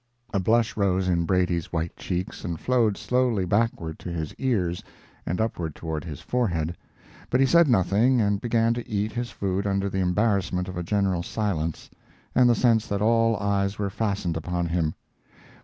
A blush rose in Brady's white cheeks and flowed slowly backward to his ears and upward toward his forehead, but he said nothing and began to eat his food under the embarrassment of a general silence and the sense that all eyes were fastened upon him.